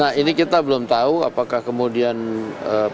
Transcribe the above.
nah ini kita belum tahu apakah kemudian